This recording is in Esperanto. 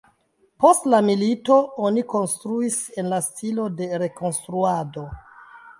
Post la milito oni konstruis en la stilo de rekonstruado.